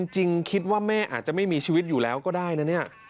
จริงคิดว่าแม่อาจจะไม่มีชีวิตอยู่แล้วก็ได้นะเนี่ย